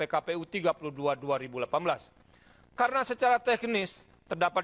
terdapat jadwal yang berbeda dengan yang lainnya